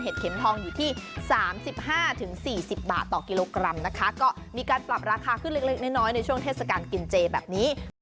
เห็ดหูหนู๔๘๕๐บาทต่อกิโลกรัม